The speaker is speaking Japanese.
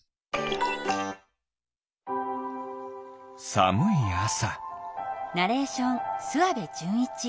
さむいあさ。